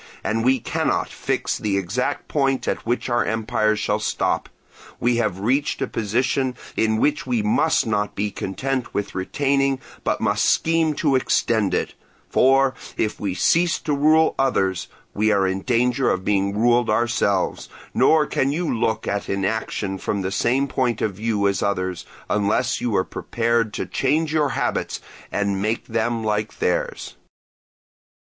And we cannot fix the exact point at which our empire shall stop; we have reached a position in which we must not be content with retaining but must scheme to extend it, for, if we cease to rule others, we are in danger of being ruled ourselves. Nor can you look at inaction from the same point of view as others, unless you are prepared to change your habits and make them like theirs.